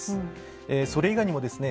それ以外にもですね